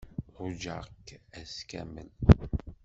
Ṛujaɣ-tt ass kamel.